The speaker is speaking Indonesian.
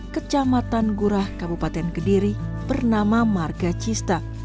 kecamatan gurah kabupaten kediri bernama marga cista